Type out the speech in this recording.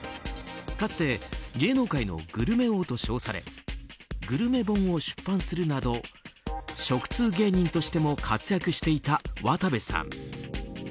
かつて芸能界のグルメ王と称されグルメ本を出版するなど食通芸人としても活躍していた、渡部さん。